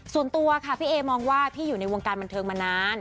ส่วนตัวค่ะพี่เอมองว่าพี่อยู่ในวงการบันเทิงมานาน